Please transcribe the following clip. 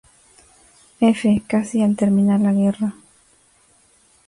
F casi al terminar la guerra.